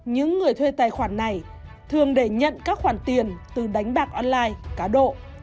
những người thuê tài khoản này thường để nhận các khoản tiền từ đánh bạc online cá độ